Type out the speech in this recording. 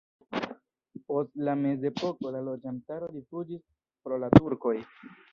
Post la mezepoko la loĝantaro rifuĝis pro la turkoj.